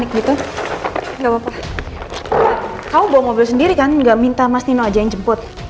kamu bawa mobil sendiri kan nggak minta mas dino aja yang jemput